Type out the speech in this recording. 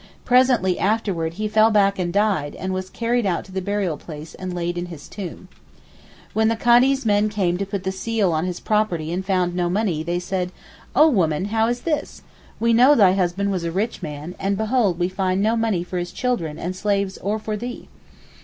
Presently after he fell back and died and was carried out to the burial place and laid in his tomb. When the Kadee's men came to put the seal on his property and found no money they said, "Oh woman, how is this? we know thy husband was a rich man and behold we find no money for his children and slaves or for thee."